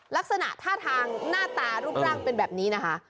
ลักษณะท่าทางหน้าตารูปร่างเป็นแบบนี้นะคะ